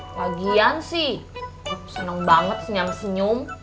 kagian sih seneng banget senyam senyum